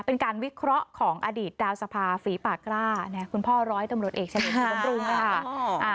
เป็นการวิเคราะห์ของอดีตดาวสภาฝีปากร่าคุณพ่อร้อยตำรวจเอกชนินอยู่บำรุงค่ะ